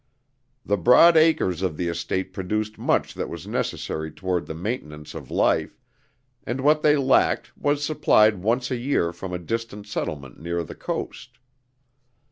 The broad acres of the estate produced much that was necessary toward the maintenance of life, and what they lacked was supplied once a year from a distant settlement near the coast.